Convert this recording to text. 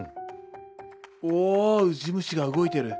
おウジ虫が動いてる。